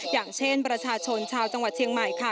อย่างเช่นประชาชนชาวจังหวัดเชียงใหม่ค่ะ